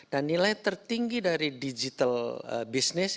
dan nilai tertinggi dari digital business